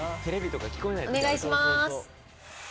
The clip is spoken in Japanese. お願いします。